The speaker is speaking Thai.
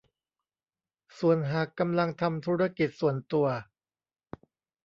ส่วนหากกำลังทำธุรกิจส่วนตัว